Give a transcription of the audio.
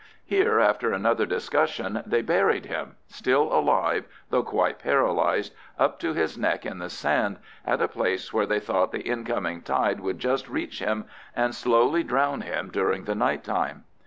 Here, after another discussion, they buried him—still alive, though quite paralysed—up to his neck in the sand, at a place where they thought the incoming tide would just reach him and slowly drown him during the night time.